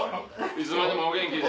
いつまでもお元気で。